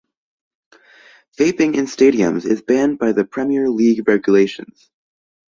Vaping in stadiums is banned by Premier League regulations.